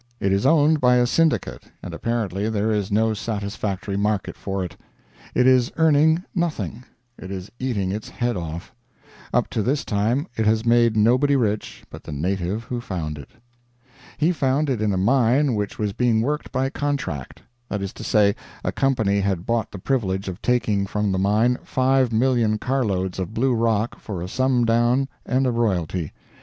It is owned by a syndicate, and apparently there is no satisfactory market for it. It is earning nothing; it is eating its head off. Up to this time it has made nobody rich but the native who found it. He found it in a mine which was being worked by contract. That is to say, a company had bought the privilege of taking from the mine 5,000,000 carloads of blue rock, for a sum down and a royalty.